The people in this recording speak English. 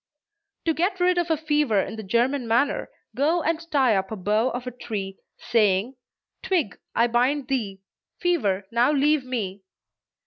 To get rid of a fever in the German manner, go and tie up a bough of a tree, saying, "Twig, I bind thee; fever, now leave me!"